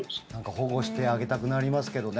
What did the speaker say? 保護してあげたくなりますけどね。